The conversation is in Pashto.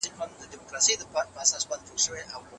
مالي کمېسیون څه دنده لري؟